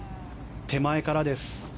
手前からです。